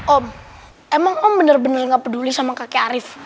om emang om bener bener gak peduli sama kakek arief